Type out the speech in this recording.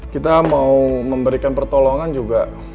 kita mau memberikan pertolongan juga